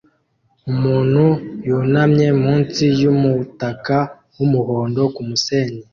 Umuntu yunamye munsi yumutaka wumuhondo kumusenyi